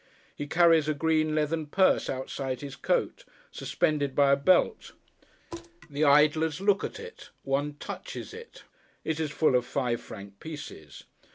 He carries a green leathern purse outside his coat, suspended by a belt. The idlers look at it; one touches it. It is full of five franc pieces.